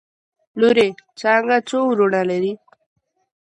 لورې څانګه څو وروڼه لري؟؟